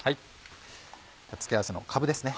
では付け合わせのかぶですね。